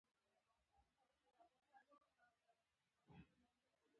ایا زه باید وریجې وخورم؟